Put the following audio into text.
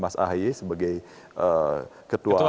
mas ahye sebagai ketua kogasma